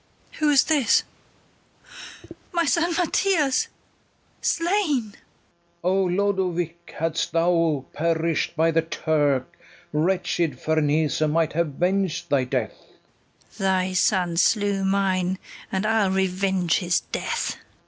Who is this? my son Mathias slain! FERNEZE. O Lodowick, hadst thou perish'd by the Turk, Wretched Ferneze might have veng'd thy death! KATHARINE. Thy son slew mine, and I'll revenge his death.